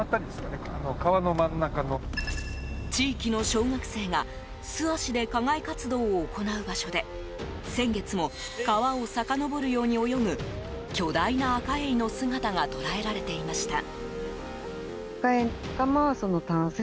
地域の小学生が素足で課外活動を行う場所で先月も川をさかのぼるように泳ぐ巨大なアカエイの姿が捉えられていました。